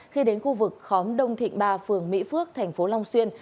khi đến khu vực khóm đông thịnh ba phường mỹ phước thành phố long xuyên